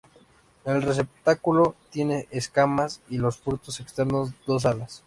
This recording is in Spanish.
El receptáculo tiene escamas, y los frutos externos dos alas.